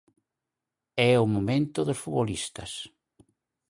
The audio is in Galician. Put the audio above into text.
É o momento dos futbolistas.